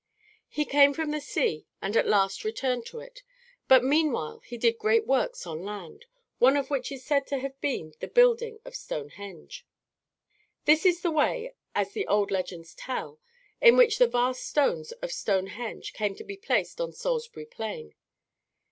He came from the sea and at last returned to it, but meanwhile he did great works on land, one of which is said to have been the building of Stonehenge. This is the way, as the old legends tell, in which the vast stones of Stonehenge came to be placed on Salisbury Plain.